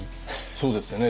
そうですよね